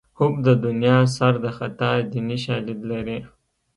حب د دنیا سر د خطا دیني شالید لري